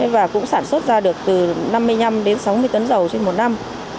và cũng sản xuất ra được từ năm mươi năm đến sáu mươi tấn dầu trên một năm